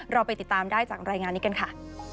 เราไปติดตามได้จากรายงานนี้กันค่ะ